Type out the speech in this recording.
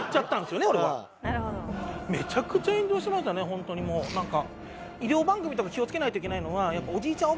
ホントにもうなんか。